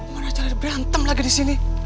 marah marah berantem lagi di sini